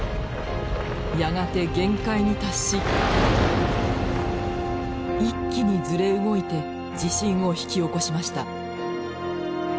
やがて限界に達し一気にずれ動いて地震を引き起こしました。